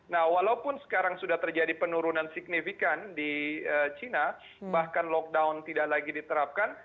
nah walaupun sekarang sudah terjadi penurunan signifikan di cina bahkan lockdown tidak lagi diterapkan